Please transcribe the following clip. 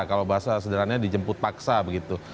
kalau bahasa sederhana dijemput paksa begitu